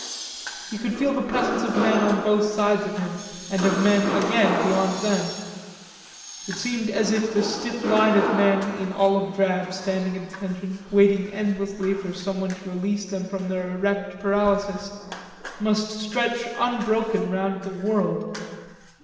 He could feel the presence of men on both sides of him, and of men again beyond them. It seemed as if the stiff line of men in olive drab, standing at attention, waiting endlessly for someone to release them from their erect paralysis, must stretch unbroken round the world.